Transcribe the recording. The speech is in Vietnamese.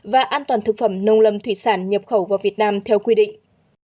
và an toàn thực phẩm nông lâm thủy sản nhập khẩu vào việt nam theo quy định